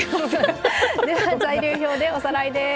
材料表でおさらいです。